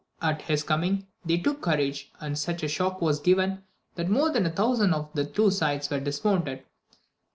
At his coming they took courage, and such a shock was given, that more than a thousand from the two sides were dismounted.